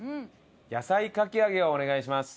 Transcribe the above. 野菜かき揚げをお願いします。